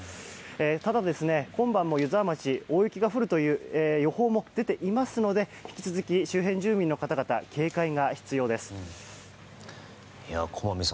ただ、今晩も湯沢町大雪が降るという予報も出ていますので引き続き周辺住民の方は与作は木をきる与作？